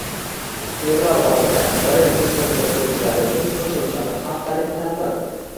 ✔️Fevral oyida birinchi sinf o'quvchilari uchun qo'shimcha bir haftalik ta'til